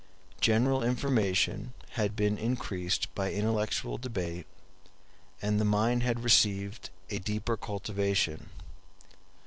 General information had been increased by intellectual debate, and the mind had received a deeper cultivation.